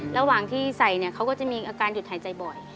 ระหว่างที่ใส่เนี่ยเขาก็จะมีอาการหยุดหายใจบ่อย